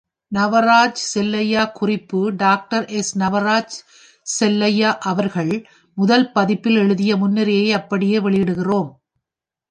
நவராஜ் செல்லையா குறிப்பு டாக்டர்.எஸ்.நவராஜ் செல்லையா அவர்கள் முதல் பதிப்பில் எழுதிய முன்னுரையை அப்படியே வெளியிடுகிறோம்.